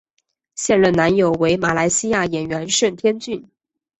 现任男友为马来西亚演员盛天俊。